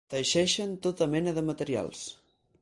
Teixeixen tota mena de materials.